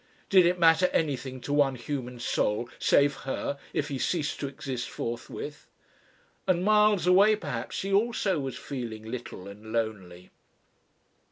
Did it matter anything to one human soul save her if he ceased to exist forthwith? And miles away perhaps she also was feeling little and lonely....